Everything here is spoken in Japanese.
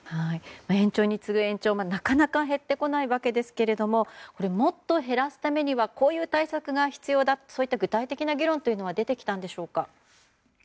延長に次ぐ延長でもなかなか減ってこないわけですがもっと減らすためにはこういう対策が必要だそういった具体的な議論は出てきたのでしょうか。